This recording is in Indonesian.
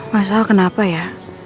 masalah kenapa ya